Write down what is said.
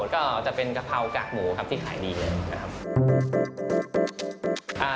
ก็จะเป็นกะเพรากากหมูครับที่ขายดีเลยนะครับ